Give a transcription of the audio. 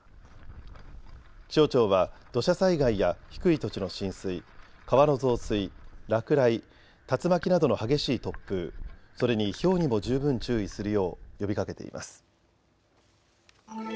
気象庁は土砂災害や低い土地の浸水、川の増水、落雷、竜巻などの激しい突風、それにひょうにも十分注意するよう呼びかけています。